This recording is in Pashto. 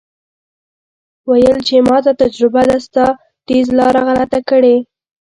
ویل یې چې ماته تجربه ده ستا ټیز لاره غلطه کړې.